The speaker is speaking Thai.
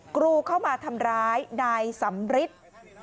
กรูเข้ามาทำร้ายนายสำริท